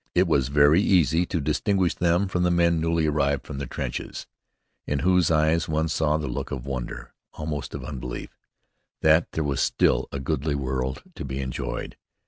It was very easy to distinguish them from the men newly arrived from the trenches, in whose eyes one saw the look of wonder, almost of unbelief, that there was still a goodly world to be enjoyed.